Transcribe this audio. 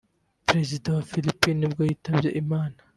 perezida wa wa Philippines nibwo yitabye Imana